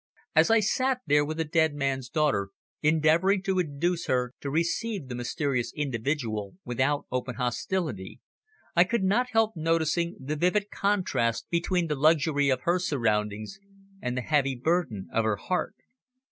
As I sat there with the dead man's daughter, endeavouring to induce her to receive the mysterious individual without open hostility, I could not help noticing the vivid contrast between the luxury of her surroundings and the heavy burden of her heart.